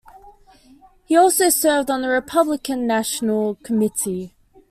He also served on the Republican National Committee.